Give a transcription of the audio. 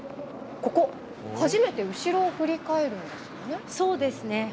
ここ初めて後ろを振り返るんですよね。